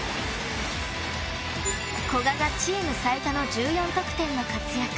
古賀がチーム最多の１４得点の活躍。